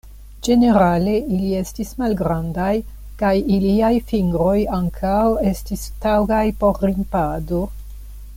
Ĝenerale ili estis malgrandaj, kaj iliaj fingroj ankaŭ estis taŭgaj por grimpado.